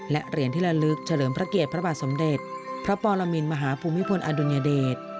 และเหรียญที่ละลึกเฉลิมพระเกียรติพระบาทสมเด็จพระปรมินมหาภูมิพลอดุลยเดช